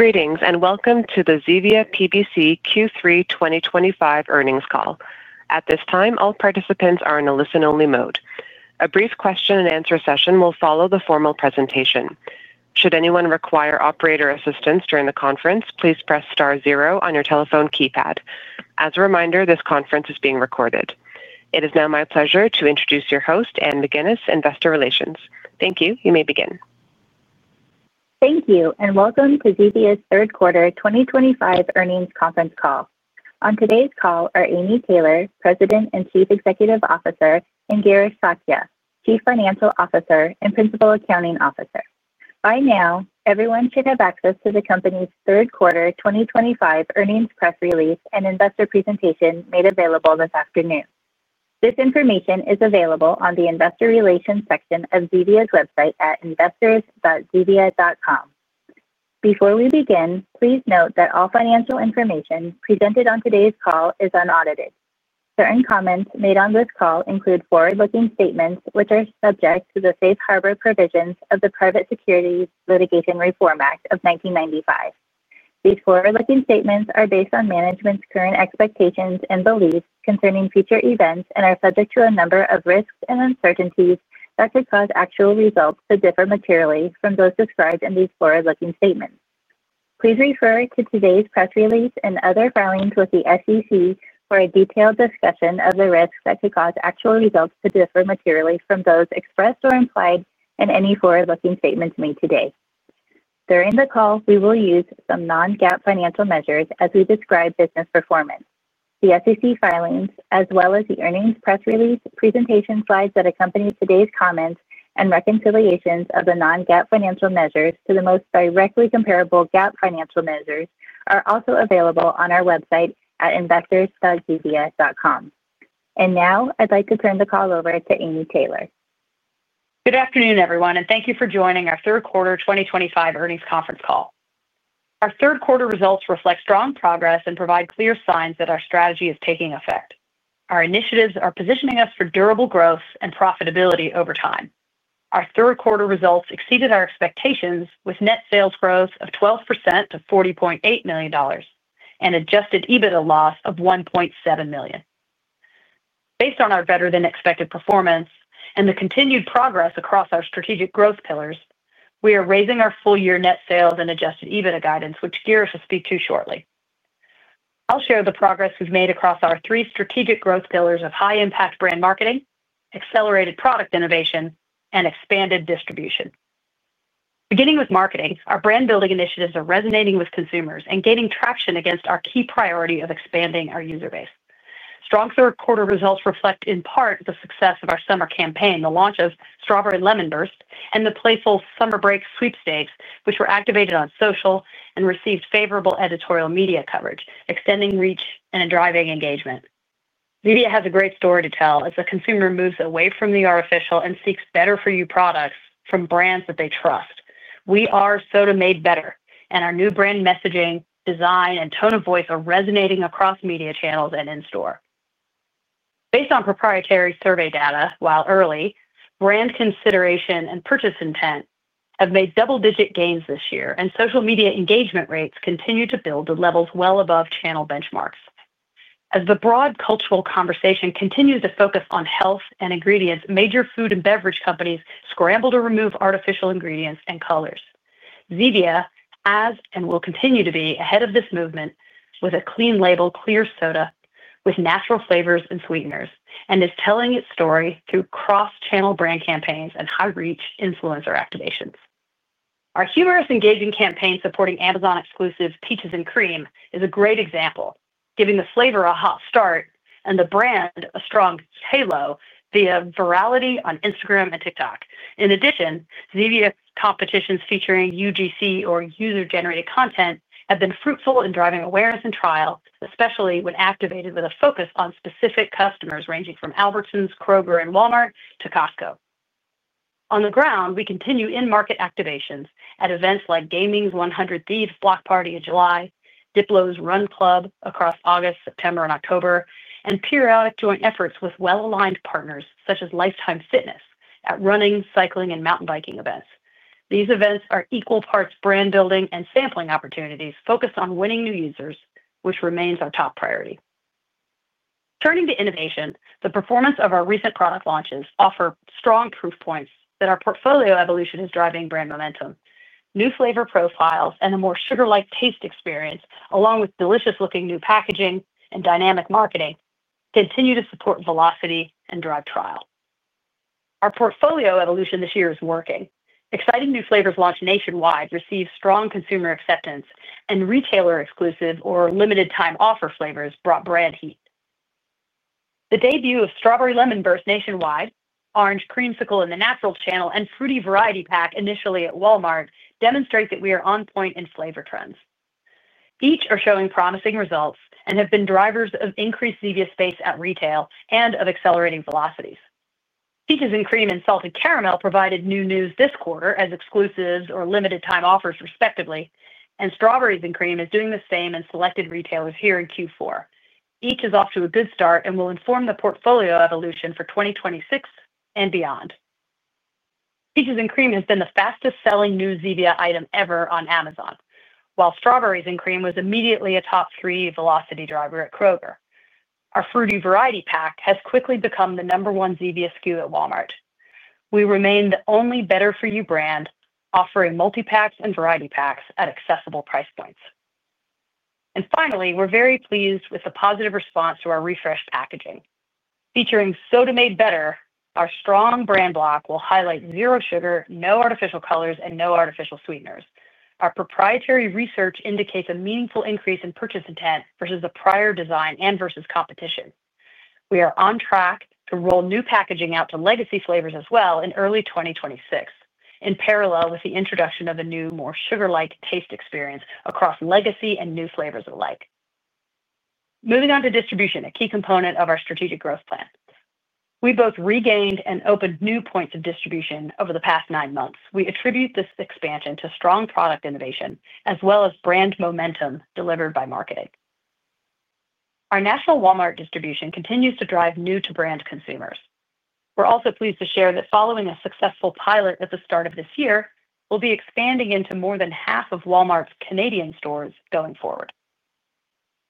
Greetings and welcome to the Zevia PBC Q3 2025 earnings call. At this time, all participants are in a listen-only mode. A brief question-and-answer session will follow the formal presentation. Should anyone require operator assistance during the conference, please press star zero on your telephone keypad. As a reminder, this conference is being recorded. It is now my pleasure to introduce your host, Anne McGuinness, Investor Relations. Thank you. You may begin. Thank you, and welcome to Zevia's third quarter 2025 earnings conference call. On today's call are Amy Taylor, President and Chief Executive Officer, and Girish Satya, Chief Financial Officer and Principal Accounting Officer. By now, everyone should have access to the company's third quarter 2025 earnings press release and investor presentation made available this afternoon. This information is available on the investor relations section of Zevia's website at investors.zevia.com. Before we begin, please note that all financial information presented on today's call is unaudited. Certain comments made on this call include forward-looking statements which are subject to the safe harbor provisions of the Private Securities Litigation Reform Act of 1995. These forward-looking statements are based on management's current expectations and beliefs concerning future events and are subject to a number of risks and uncertainties that could cause actual results to differ materially from those described in these forward-looking statements. Please refer to today's press release and other filings with the SEC for a detailed discussion of the risks that could cause actual results to differ materially from those expressed or implied in any forward-looking statements made today. During the call, we will use some non-GAAP financial measures as we describe business performance. The SEC filings, as well as the earnings press release presentation slides that accompany today's comments and reconciliations of the non-GAAP financial measures to the most directly comparable GAAP financial measures, are also available on our website at investors.zevia.com. I would like to turn the call over to Amy Taylor. Good afternoon, everyone, and thank you for joining our third quarter 2025 earnings conference call. Our third quarter results reflect strong progress and provide clear signs that our strategy is taking effect. Our initiatives are positioning us for durable growth and profitability over time. Our third quarter results exceeded our expectations with net sales growth of 12% to $40.8 million and adjusted EBITDA loss of $1.7 million. Based on our better-than-expected performance and the continued progress across our strategic growth pillars, we are raising our full-year net sales and adjusted EBITDA guidance, which Girish will speak to shortly. I'll share the progress we've made across our three strategic growth pillars of high-impact brand marketing, accelerated product innovation, and expanded distribution. Beginning with marketing, our brand-building initiatives are resonating with consumers and gaining traction against our key priority of expanding our user base. Strong third quarter results reflect, in part, the success of our summer campaign, the launch of Strawberry Lemon Burst, and the playful Summer Break sweepstakes, which were activated on social and received favorable editorial media coverage, extending reach and driving engagement. Zevia has a great story to tell as the consumer moves away from the artificial and seeks better-for-you products from brands that they trust. We are Soda Made Better, and our new brand messaging, design, and tone of voice are resonating across media channels and in store. Based on proprietary survey data, while early, brand consideration and purchase intent have made double-digit gains this year, and social media engagement rates continue to build to levels well above channel benchmarks. As the broad cultural conversation continues to focus on health and ingredients, major food and beverage companies scramble to remove artificial ingredients and colors. Zevia has, and will continue to be, ahead of this movement with a clean label, Clear Soda, with natural flavors and sweeteners, and is telling its story through cross-channel brand campaigns and high-reach influencer activations. Our humorous, engaging campaign supporting Amazon-exclusive Peaches and Cream is a great example, giving the flavor a hot start and the brand a strong halo via virality on Instagram and TikTok. In addition, Zevia's competitions featuring UGC or user-generated content have been fruitful in driving awareness and trial, especially when activated with a focus on specific customers ranging from Albertsons, Kroger, and Walmart to Costco. On the ground, we continue in-market activations at events like Gaming's 100 Thieves Block Party in July, Diplo's Run Club across August, September, and October, and periodic joint efforts with well-aligned partners such as Lifetime Fitness at running, cycling, and mountain biking events. These events are equal parts brand-building and sampling opportunities focused on winning new users, which remains our top priority. Turning to innovation, the performance of our recent product launches offers strong proof points that our portfolio evolution is driving brand momentum. New flavor profiles and a more sugar-like taste experience, along with delicious-looking new packaging and dynamic marketing, continue to support velocity and drive trial. Our portfolio evolution this year is working. Exciting new flavors launched nationwide received strong consumer acceptance, and retailer-exclusive or limited-time offer flavors brought brand heat. The debut of Strawberry Lemon Burst nationwide, Orange Creamsicle in the Naturals channel, and Fruity Variety Pack initially at Walmart demonstrate that we are on point in flavor trends. Peaches and Cream are showing promising results and have been drivers of increased Zevia space at retail and of accelerating velocities. Peaches and Cream and Salted Caramel provided new news this quarter as exclusives or limited-time offers, respectively, and Strawberries and Cream is doing the same in selected retailers here in Q4. Peach is off to a good start and will inform the portfolio evolution for 2026 and beyond. Peaches and Cream has been the fastest-selling new Zevia item ever on Amazon, while Strawberries and Cream was immediately a top three velocity driver at Kroger. Our Fruity Variety Pack has quickly become the number one Zevia SKU at Walmart. We remain the only better-for-you brand offering multi-packs and variety packs at accessible price points. We are very pleased with the positive response to our refreshed packaging. Featuring Soda Made Better, our strong brand block will highlight zero sugar, no artificial colors, and no artificial sweeteners. Our proprietary research indicates a meaningful increase in purchase intent versus the prior design and versus competition. We are on track to roll new packaging out to legacy flavors as well in early 2026, in parallel with the introduction of a new, more sugar-like taste experience across legacy and new flavors alike. Moving on to distribution, a key component of our strategic growth plan. We both regained and opened new points of distribution over the past nine months. We attribute this expansion to strong product innovation as well as brand momentum delivered by marketing. Our national Walmart distribution continues to drive new-to-brand consumers. We're also pleased to share that following a successful pilot at the start of this year, we'll be expanding into more than half of Walmart's Canadian stores going forward.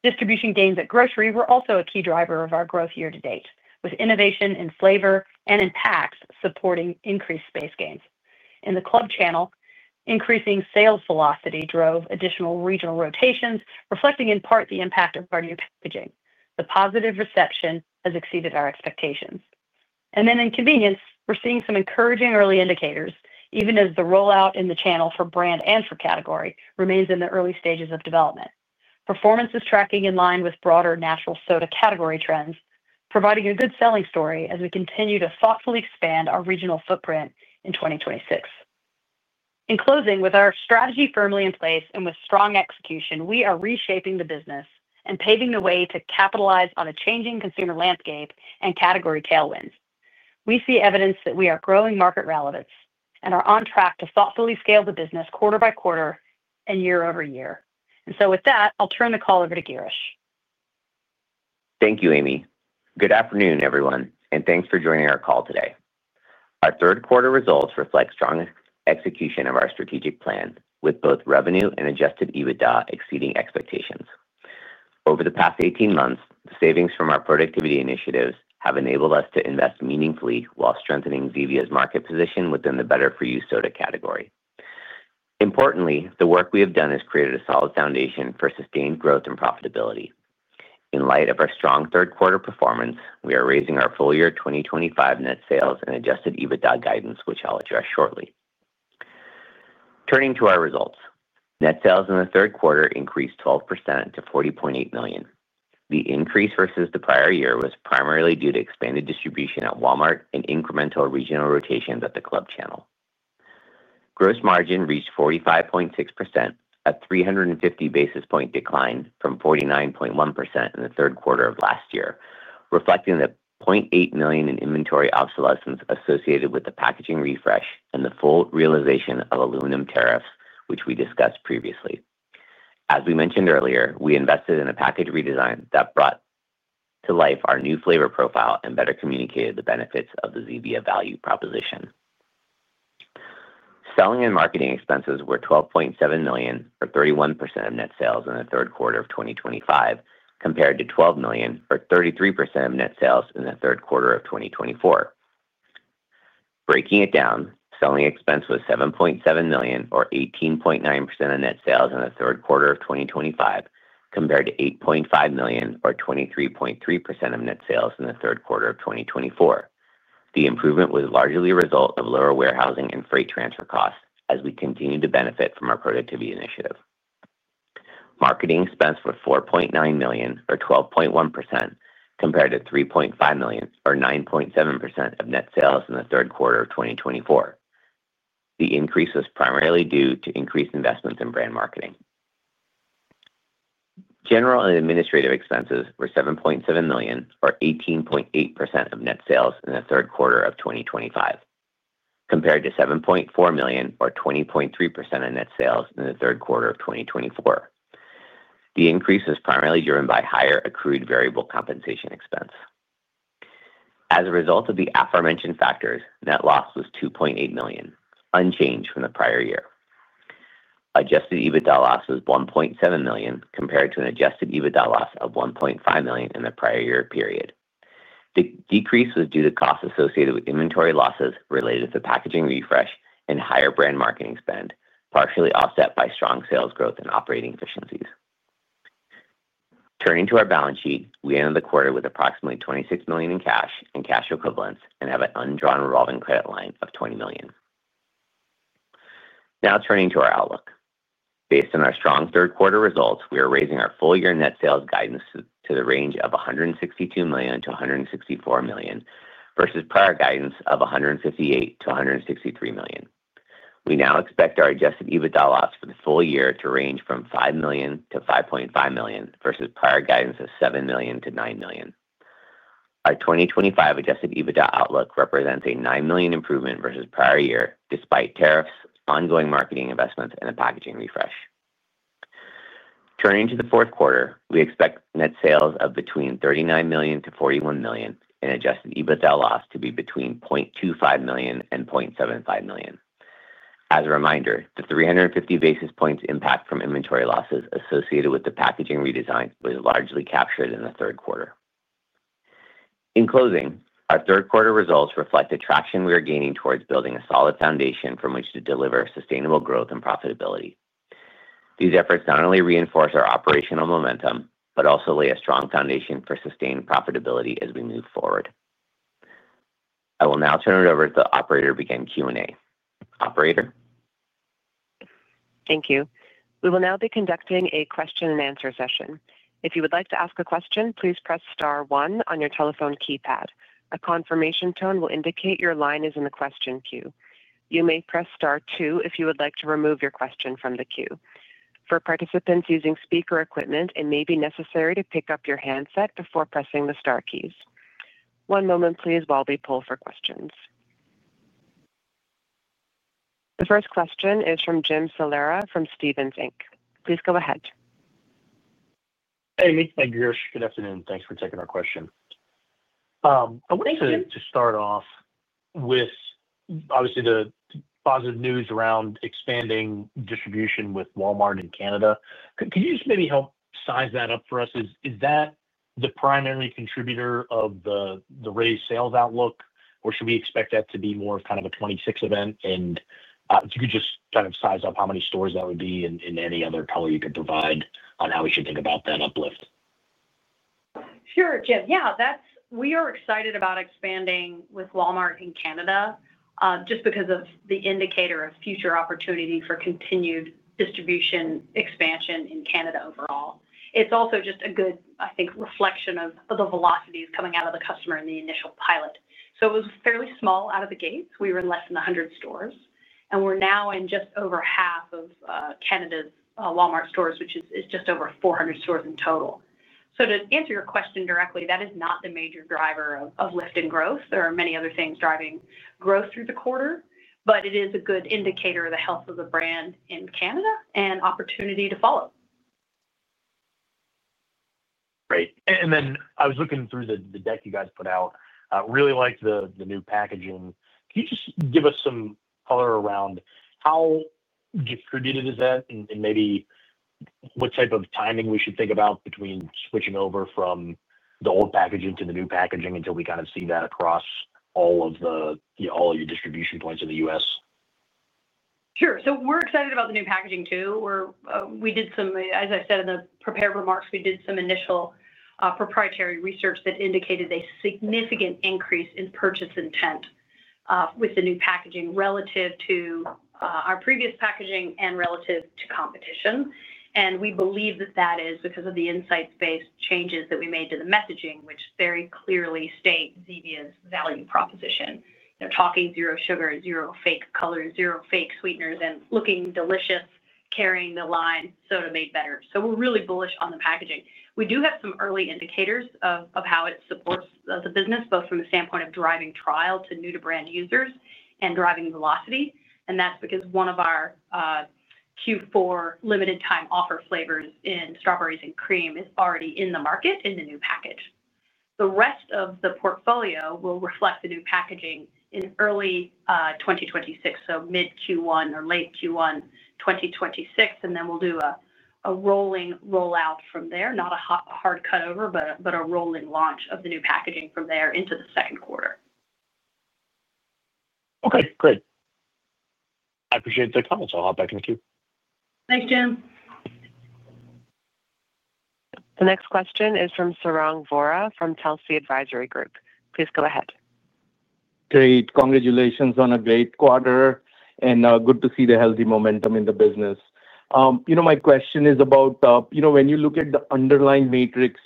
Distribution gains at grocery were also a key driver of our growth year to date, with innovation in flavor and in packs supporting increased space gains. In the Club channel, increasing sales velocity drove additional regional rotations, reflecting in part the impact of our new packaging. The positive reception has exceeded our expectations. In convenience, we're seeing some encouraging early indicators, even as the rollout in the channel for brand and for category remains in the early stages of development. Performance is tracking in line with broader natural soda category trends, providing a good selling story as we continue to thoughtfully expand our regional footprint in 2026. In closing, with our strategy firmly in place and with strong execution, we are reshaping the business and paving the way to capitalize on a changing consumer landscape and category tailwinds. We see evidence that we are growing market relevance and are on track to thoughtfully scale the business quarter by quarter and year over year. With that, I'll turn the call over to Girish. Thank you, Amy. Good afternoon, everyone, and thanks for joining our call today. Our third quarter results reflect strong execution of our strategic plan, with both revenue and adjusted EBITDA exceeding expectations. Over the past 18 months, savings from our productivity initiatives have enabled us to invest meaningfully while strengthening Zevia's market position within the better-for-you soda category. Importantly, the work we have done has created a solid foundation for sustained growth and profitability. In light of our strong third quarter performance, we are raising our full-year 2025 net sales and adjusted EBITDA guidance, which I'll address shortly. Turning to our results, net sales in the third quarter increased 12% to $40.8 million. The increase versus the prior year was primarily due to expanded distribution at Walmart and incremental regional rotations at the Club channel. Gross margin reached 45.6%, a 350 basis point decline from 49.1% in the third quarter of last year, reflecting the $0.8 million in inventory obsolescence associated with the packaging refresh and the full realization of aluminum tariffs, which we discussed previously. As we mentioned earlier, we invested in a package redesign that brought to life our new flavor profile and better communicated the benefits of the Zevia value proposition. Selling and marketing expenses were $12.7 million, or 31% of net sales in the third quarter of 2025, compared to $12 million, or 33% of net sales in the third quarter of 2024. Breaking it down, selling expense was $7.7 million, or 18.9% of net sales in the third quarter of 2025, compared to $8.5 million, or 23.3% of net sales in the third quarter of 2024. The improvement was largely a result of lower warehousing and freight transfer costs as we continue to benefit from our productivity initiative. Marketing expense was $4.9 million, or 12.1%, compared to $3.5 million, or 9.7% of net sales in the third quarter of 2024. The increase was primarily due to increased investments in brand marketing. General and administrative expenses were $7.7 million, or 18.8% of net sales in the third quarter of 2025, compared to $7.4 million, or 20.3% of net sales in the third quarter of 2024. The increase was primarily driven by higher accrued variable compensation expense. As a result of the aforementioned factors, net loss was $2.8 million, unchanged from the prior year. Adjusted EBITDA loss was $1.7 million, compared to an adjusted EBITDA loss of $1.5 million in the prior year period. The decrease was due to costs associated with inventory losses related to the packaging refresh and higher brand marketing spend, partially offset by strong sales growth and operating efficiencies. Turning to our balance sheet, we ended the quarter with approximately $26 million in cash and cash equivalents and have an undrawn revolving credit line of $20 million. Now turning to our outlook. Based on our strong third quarter results, we are raising our full-year net sales guidance to the range of $162 million-$164 million versus prior guidance of $158 million-$163 million. We now expect our adjusted EBITDA loss for the full year to range from $5 million-$5.5 million versus prior guidance of $7 million-$9 million. Our 2025 adjusted EBITDA outlook represents a $9 million improvement versus prior year despite tariffs, ongoing marketing investments, and a packaging refresh. Turning to the fourth quarter, we expect net sales of between $39 million and $41 million and adjusted EBITDA loss to be between $0.25 million and $0.75 million. As a reminder, the 350 basis points impact from inventory losses associated with the packaging redesign was largely captured in the third quarter. In closing, our third quarter results reflect the traction we are gaining towards building a solid foundation from which to deliver sustainable growth and profitability. These efforts not only reinforce our operational momentum but also lay a strong foundation for sustained profitability as we move forward. I will now turn it over to the operator to begin Q&A. Operator. Thank you. We will now be conducting a question-and-answer session. If you would like to ask a question, please press Star one on your telephone keypad. A confirmation tone will indicate your line is in the question queue. You may press Star two if you would like to remove your question from the queue. For participants using speaker equipment, it may be necessary to pick up your handset before pressing the Star keys. One moment, please, while we pull for questions. The first question is from Jim Solera from Stevens Inc. Please go ahead. Hey, Amy. Hi, Girish. Good afternoon. Thanks for taking our question. I wanted to start off with, obviously, the positive news around expanding distribution with Walmart in Canada. Could you just maybe help size that up for us? Is that the primary contributor of the raised sales outlook, or should we expect that to be more of kind of a 2026 event? And if you could just kind of size up how many stores that would be and any other color you could provide on how we should think about that uplift? Sure, Jim. Yeah, we are excited about expanding with Walmart in Canada just because of the indicator of future opportunity for continued distribution expansion in Canada overall. It's also just a good, I think, reflection of the velocities coming out of the customer in the initial pilot. It was fairly small out of the gates. We were in less than 100 stores, and we're now in just over half of Canada's Walmart stores, which is just over 400 stores in total. To answer your question directly, that is not the major driver of lift in growth. There are many other things driving growth through the quarter, but it is a good indicator of the health of the brand in Canada and opportunity to follow. Great. I was looking through the deck you guys put out. I really liked the new packaging. Can you just give us some color around how distributed is that and maybe what type of timing we should think about between switching over from the old packaging to the new packaging until we kind of see that across all of your distribution points in the U.S.? Sure. So we're excited about the new packaging too. We did some, as I said in the prepared remarks, we did some initial proprietary research that indicated a significant increase in purchase intent with the new packaging relative to our previous packaging and relative to competition. We believe that that is because of the insights-based changes that we made to the messaging, which very clearly state Zevia's value proposition. They're talking zero sugar, zero fake colors, zero fake sweeteners, and looking delicious, carrying the line Soda Made Better. We're really bullish on the packaging. We do have some early indicators of how it supports the business, both from the standpoint of driving trial to new-to-brand users and driving velocity. That's because one of our Q4 limited-time offer flavors in Strawberries and Cream is already in the market in the new package. The rest of the portfolio will reflect the new packaging in early 2026, so mid-Q1 or late Q1 2026. We will do a rolling rollout from there, not a hard cutover, but a rolling launch of the new packaging from there into the second quarter. Okay. Great. I appreciate the comments. I'll hop back in the queue. Thanks, Jim. The next question is from Sarang Vora from Telsey Advisory Group. Please go ahead. Great. Congratulations on a great quarter, and good to see the healthy momentum in the business. My question is about when you look at the underlying matrix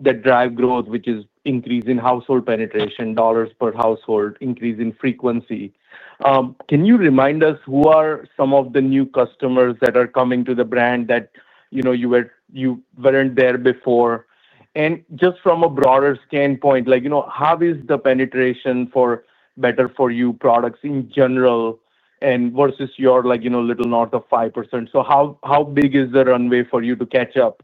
that drives growth, which is increase in household penetration, dollars per household, increase in frequency. Can you remind us who are some of the new customers that are coming to the brand that you weren't there before? And just from a broader standpoint, how is the penetration for Better For You products in general versus your little north of 5%? How big is the runway for you to catch up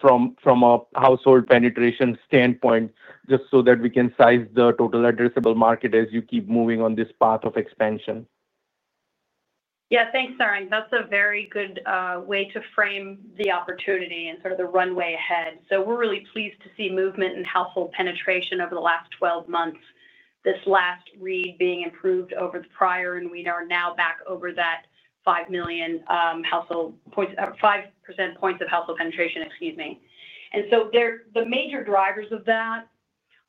from a household penetration standpoint just so that we can size the total addressable market as you keep moving on this path of expansion? Yeah. Thanks, Sarang. That's a very good way to frame the opportunity and sort of the runway ahead. We're really pleased to see movement in household penetration over the last 12 months, this last read being improved over the prior, and we are now back over that 5 million. 5% points of household penetration, excuse me. The major drivers of that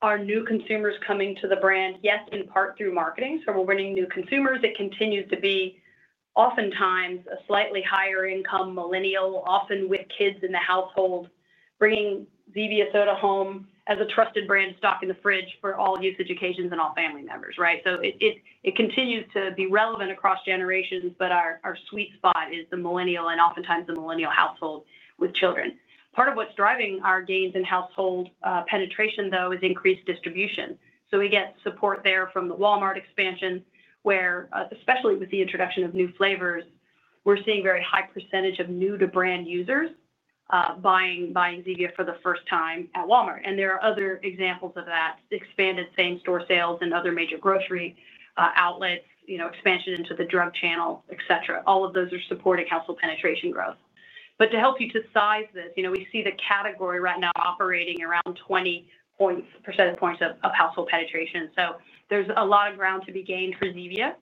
are new consumers coming to the brand, yes, in part through marketing. We're winning new consumers. It continues to be oftentimes a slightly higher-income millennial, often with kids in the household, bringing Zevia Soda home as a trusted brand stock in the fridge for all usage occasions and all family members, right? It continues to be relevant across generations, but our sweet spot is the millennial and oftentimes the millennial household with children. Part of what's driving our gains in household penetration, though, is increased distribution. We get support there from the Walmart expansion, where especially with the introduction of new flavors, we're seeing a very high percentage of new-to-brand users buying Zevia for the first time at Walmart. There are other examples of that: expanded same-store sales in other major grocery outlets, expansion into the drug channel, etc. All of those are supporting household penetration growth. To help you to size this, we see the category right now operating around 20 percentage points of household penetration. There's a lot of ground to be gained for Zevia.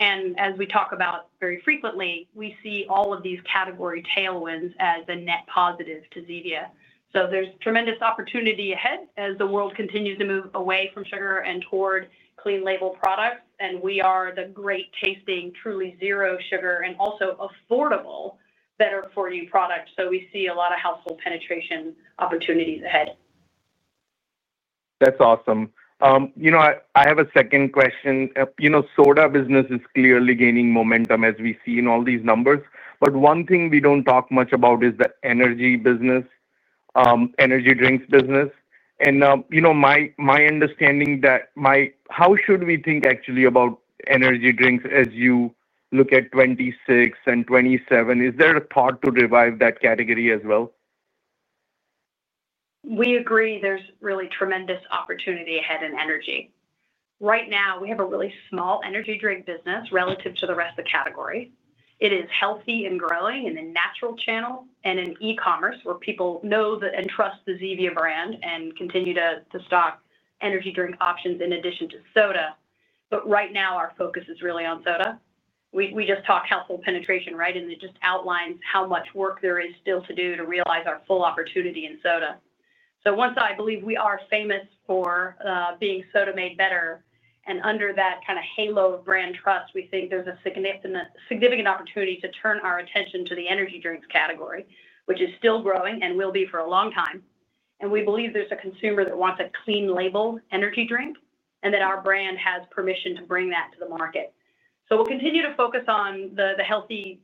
As we talk about very frequently, we see all of these category tailwinds as a net positive to Zevia. There's tremendous opportunity ahead as the world continues to move away from sugar and toward clean-label products. We are the great tasting, truly zero sugar and also affordable Better For You product. We see a lot of household penetration opportunities ahead. That's awesome. I have a second question. Soda business is clearly gaining momentum as we see in all these numbers. One thing we don't talk much about is the energy business. Energy drinks business. My understanding that. How should we think actually about energy drinks as you look at 2026 and 2027? Is there a thought to revive that category as well? We agree there's really tremendous opportunity ahead in energy. Right now, we have a really small energy drink business relative to the rest of the category. It is healthy and growing in a natural channel and in e-commerce where people know and trust the Zevia brand and continue to stock energy drink options in addition to soda. Right now, our focus is really on soda. We just talked household penetration, right? It just outlines how much work there is still to do to realize our full opportunity in soda. Once I believe we are famous for being Soda Made Better, and under that kind of halo of brand trust, we think there's a significant opportunity to turn our attention to the energy drinks category, which is still growing and will be for a long time. We believe there is a consumer that wants a clean-label energy drink and that our brand has permission to bring that to the market. We will continue to focus on the healthy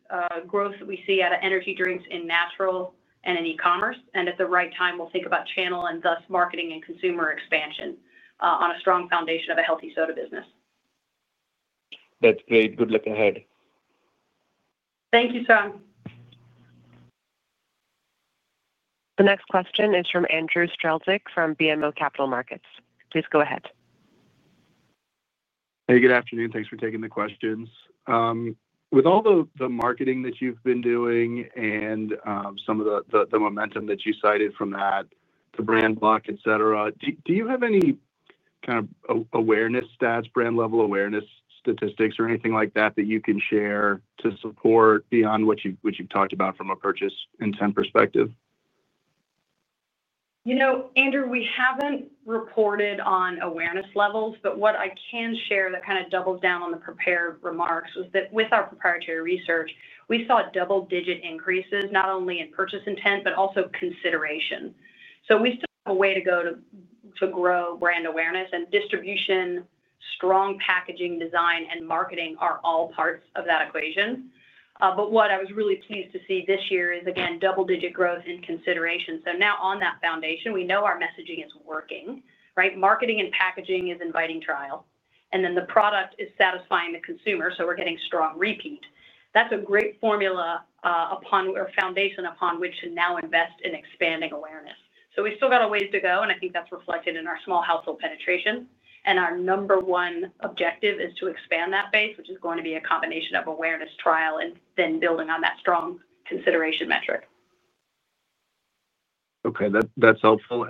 growth that we see out of energy drinks in natural and in e-commerce. At the right time, we will think about channel and thus marketing and consumer expansion on a strong foundation of a healthy soda business. That's great. Good luck ahead. Thank you, Sarang. The next question is from Andrew Strelzik from BMO Capital Markets. Please go ahead. Hey, good afternoon. Thanks for taking the questions. With all the marketing that you've been doing and some of the momentum that you cited from that, the brand block, etc., do you have any kind of awareness stats, brand-level awareness statistics, or anything like that that you can share to support beyond what you've talked about from a purchase intent perspective? You know, Andrew, we haven't reported on awareness levels, but what I can share that kind of doubles down on the prepared remarks was that with our proprietary research, we saw double-digit increases, not only in purchase intent but also consideration. We still have a way to go to grow brand awareness, and distribution, strong packaging design, and marketing are all parts of that equation. What I was really pleased to see this year is, again, double-digit growth and consideration. Now on that foundation, we know our messaging is working, right? Marketing and packaging is inviting trial. The product is satisfying the consumer, so we're getting strong repeat. That's a great formula or foundation upon which to now invest in expanding awareness. We still got a ways to go, and I think that's reflected in our small household penetration. Our number one objective is to expand that base, which is going to be a combination of awareness, trial, and then building on that strong consideration metric. Okay. That's helpful.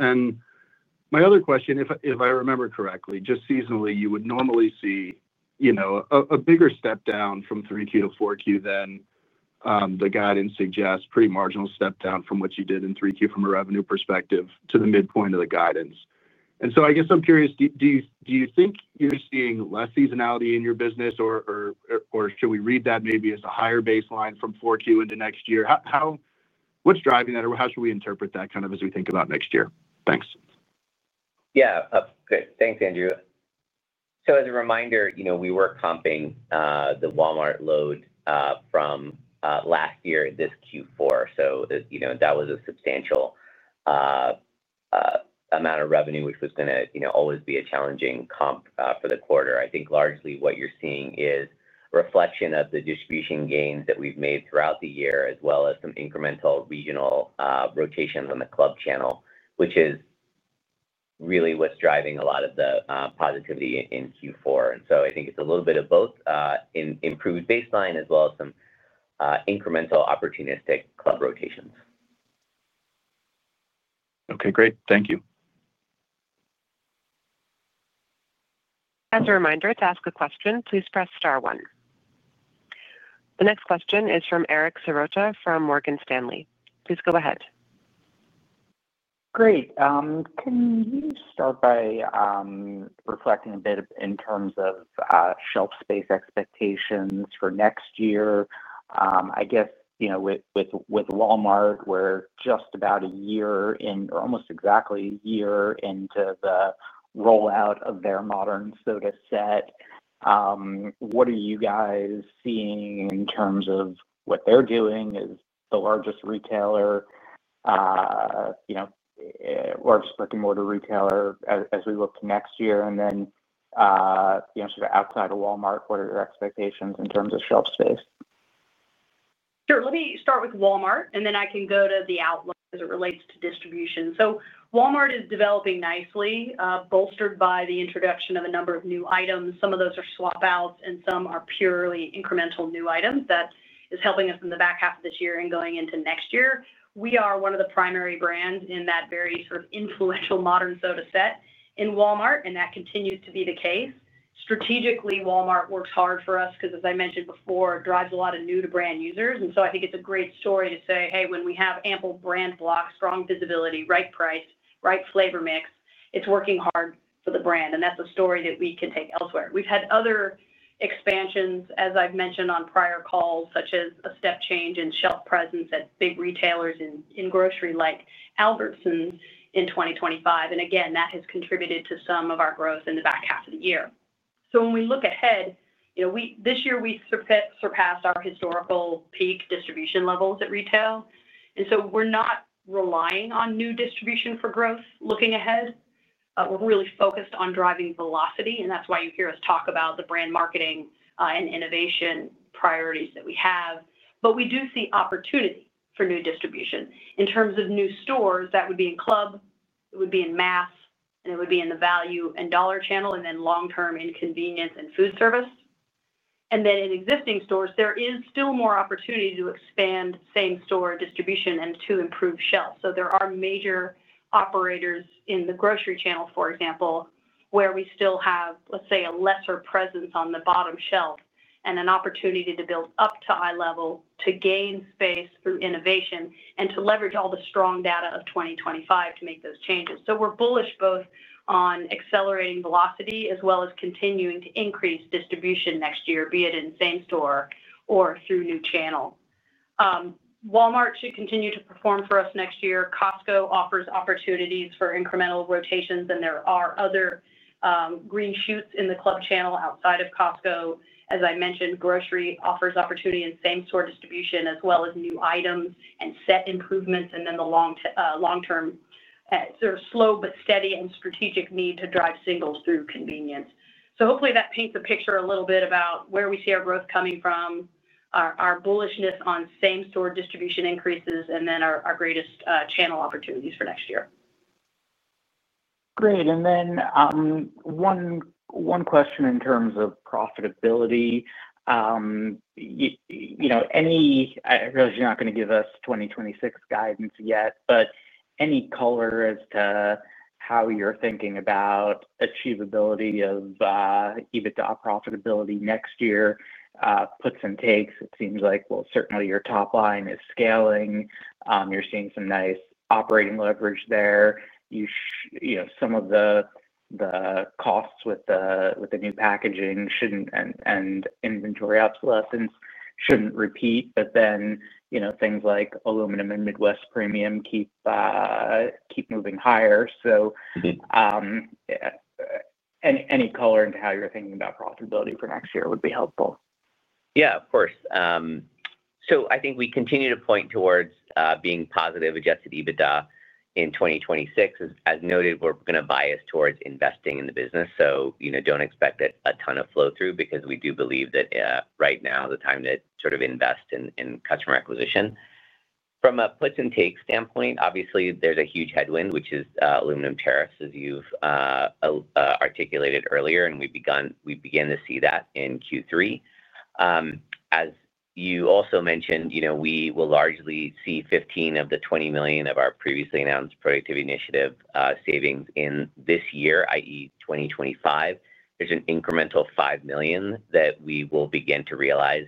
My other question, if I remember correctly, just seasonally, you would normally see a bigger step down from 3Q to 4Q than the guidance suggests, pretty marginal step down from what you did in 3Q from a revenue perspective to the midpoint of the guidance. I guess I'm curious, do you think you're seeing less seasonality in your business, or should we read that maybe as a higher baseline from 4Q into next year? What's driving that, or how should we interpret that kind of as we think about next year? Thanks. Yeah. Great. Thanks, Andrew. As a reminder, we were comping the Walmart load from last year this Q4. That was a substantial amount of revenue, which was going to always be a challenging comp for the quarter. I think largely what you're seeing is a reflection of the distribution gains that we've made throughout the year, as well as some incremental regional rotations on the club channel, which is really what's driving a lot of the positivity in Q4. I think it's a little bit of both. Improved baseline as well as some incremental opportunistic club rotations. Okay. Great. Thank you. As a reminder to ask a question, please press star one. The next question is from Eric Sirota from Morgan Stanley. Please go ahead. Great. Can you start by reflecting a bit in terms of shelf space expectations for next year? I guess with Walmart, we're just about a year in or almost exactly a year into the rollout of their modern soda set. What are you guys seeing in terms of what they're doing as the largest retailer, largest brick-and-mortar retailer as we look to next year? Sort of outside of Walmart, what are your expectations in terms of shelf space? Sure. Let me start with Walmart, and then I can go to the outlook as it relates to distribution. Walmart is developing nicely, bolstered by the introduction of a number of new items. Some of those are swap-outs, and some are purely incremental new items that is helping us in the back half of this year and going into next year. We are one of the primary brands in that very sort of influential modern soda set in Walmart, and that continues to be the case. Strategically, Walmart works hard for us because, as I mentioned before, it drives a lot of new-to-brand users. I think it's a great story to say, "Hey, when we have ample brand blocks, strong visibility, right price, right flavor mix, it's working hard for the brand." That's a story that we can take elsewhere. We've had other expansions, as I've mentioned on prior calls, such as a step change in shelf presence at big retailers in grocery like Albertsons in 2025. That has contributed to some of our growth in the back half of the year. When we look ahead, this year, we surpassed our historical peak distribution levels at retail. We're not relying on new distribution for growth looking ahead. We're really focused on driving velocity. That's why you hear us talk about the brand marketing and innovation priorities that we have. We do see opportunity for new distribution. In terms of new stores, that would be in club, it would be in mass, and it would be in the value and dollar channel, and then long-term in convenience and food service. In existing stores, there is still more opportunity to expand same-store distribution and to improve shelf. There are major operators in the grocery channel, for example, where we still have, let's say, a lesser presence on the bottom shelf and an opportunity to build up to eye level, to gain space through innovation, and to leverage all the strong data of 2025 to make those changes. We're bullish both on accelerating velocity as well as continuing to increase distribution next year, be it in same-store or through new channel. Walmart should continue to perform for us next year. Costco offers opportunities for incremental rotations, and there are other green shoots in the club channel outside of Costco. As I mentioned, grocery offers opportunity in same-store distribution as well as new items and set improvements, and then the long-term. Sort of slow but steady and strategic need to drive singles through convenience. Hopefully, that paints a picture a little bit about where we see our growth coming from. Our bullishness on same-store distribution increases, and then our greatest channel opportunities for next year. Great. And then one question in terms of profitability. I realize you're not going to give us 2026 guidance yet, but any color as to how you're thinking about achievability of EBITDA profitability next year, puts and takes, it seems like, well, certainly your top line is scaling. You're seeing some nice operating leverage there. Some of the costs with the new packaging and inventory obsolescence shouldn't repeat, but then things like aluminum and Midwest Premium keep moving higher. Any color into how you're thinking about profitability for next year would be helpful. Yeah, of course. I think we continue to point towards being positive adjusted EBITDA in 2026. As noted, we're going to bias towards investing in the business. Don't expect a ton of flow-through because we do believe that right now is the time to sort of invest in customer acquisition. From a puts and takes standpoint, obviously, there's a huge headwind, which is aluminum tariffs, as you've articulated earlier, and we began to see that in Q3. As you also mentioned, we will largely see $15 million of the $20 million of our previously announced productivity initiative savings in this year, i.e., 2025. There's an incremental $5 million that we will begin to realize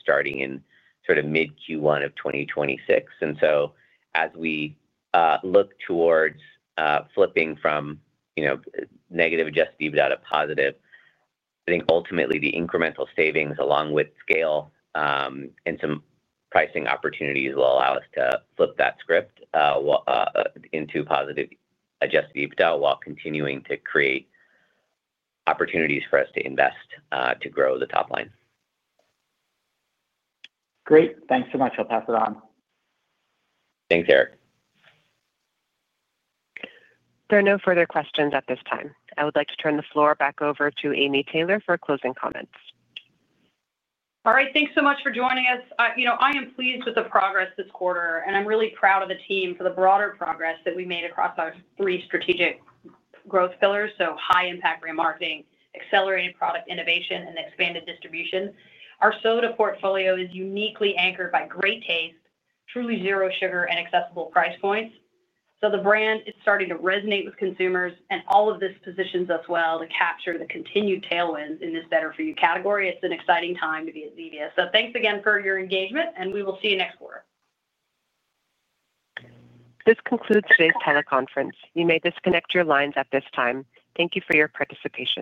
starting in sort of mid-Q1 of 2026. As we look towards flipping from negative adjusted EBITDA to positive, I think ultimately the incremental savings, along with scale and some pricing opportunities, will allow us to flip that script into positive adjusted EBITDA while continuing to create opportunities for us to invest to grow the top line. Great. Thanks so much. I'll pass it on. Thanks, Eric. There are no further questions at this time. I would like to turn the floor back over to Amy Taylor for closing comments. All right. Thanks so much for joining us. I am pleased with the progress this quarter, and I'm really proud of the team for the broader progress that we made across our three strategic growth pillars. High-impact remarketing, accelerated product innovation, and expanded distribution. Our soda portfolio is uniquely anchored by great taste, truly zero sugar, and accessible price points. The brand is starting to resonate with consumers, and all of this positions us well to capture the continued tailwinds in this Better for You category. It's an exciting time to be at Zevia. Thanks again for your engagement, and we will see you next quarter. This concludes today's teleconference. You may disconnect your lines at this time. Thank you for your participation.